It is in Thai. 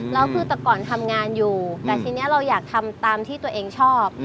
แล้วคือแต่ก่อนทำงานอยู่แต่ทีนี้เราอยากทำตามที่ตัวเองชอบ